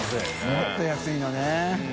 もっと安いのね。